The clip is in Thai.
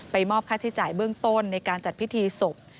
มอบค่าใช้จ่ายเบื้องต้นในการจัดพิธีศพ